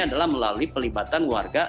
adalah melalui pelibatan warga